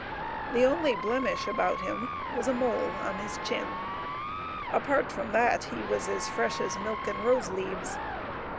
The only blemish about him was a mole on his chin ; apart from that he was as fresh as milk and rose leaves.